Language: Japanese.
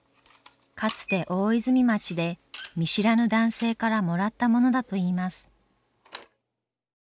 かつて大泉町で見知らぬ男性からもらったものだと言います。